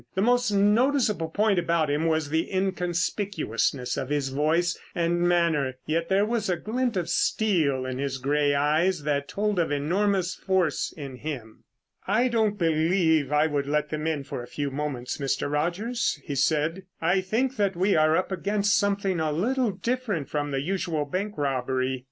The most noticeable point about him was the inconspicuousness of his voice and manner, yet there was a glint of steel in his gray eyes that told of enormous force in him. "I don't believe that I would let them in for a few moments, Mr. Rogers," he said. "I think that we are up against something a little different from the usual bank robbery."